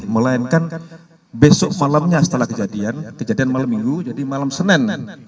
melainkan besok malamnya setelah kejadian kejadian malam minggu jadi malam senin